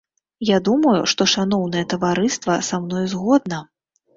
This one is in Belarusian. Я думаю, што шаноўнае таварыства са мною згодна?